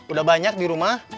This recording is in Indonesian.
udah banyak di rumah